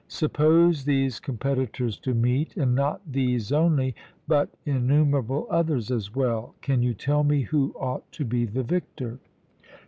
Suppose these competitors to meet, and not these only, but innumerable others as well can you tell me who ought to be the victor?